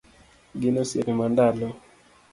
Gin osiepe mandalo